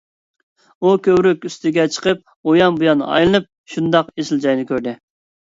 ئۇ كۆۋرۈك ئۈستىگە چىقىپ ئۇيان - بۇيان ئايلىنىپ، شۇنداق بىر ئېسىل جاينى كۆردى.